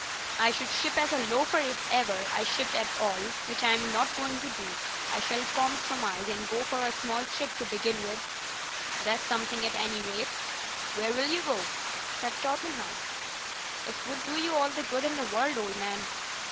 I should ship as a loafer if ever I shipped at all, which I'm not going to do. I shall compromise, and go for a small trip to begin with." "That's something at any rate. Where will you go?" said Torpenhow. "It would do you all the good in the world, old man."